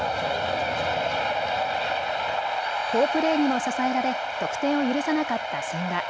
好プレーにも支えられ得点を許さなかった千賀。